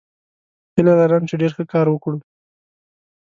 هیله لرم چې ډیر ښه کار وکړو.